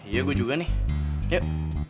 iya gue juga nih kek